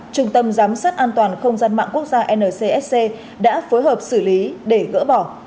trung tâm giám sát an toàn không gian mạng quốc gia ncsc đã phối hợp xử lý để gỡ bỏ